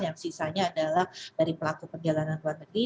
yang sisanya adalah dari pelaku perjalanan luar negeri